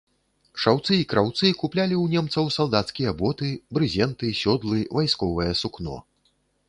Шаўцы і краўцы куплялі ў немцаў салдацкія боты, брызенты, сёдлы, вайсковае сукно.